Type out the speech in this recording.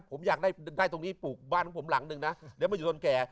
ผมอยากได้ตรงนี้ปลูกบ้านของผมหลังหนึ่งนะเดี๋ยวมาอยู่จนแก่